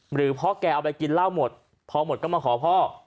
หรือพ่อแกเอาไปกินเหล้าหมดพอหมดก็มาขอพ่อ